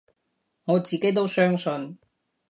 我自己都相信